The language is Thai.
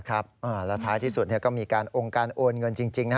แล้วท้ายที่สุดก็มีการองค์การโอนเงินจริง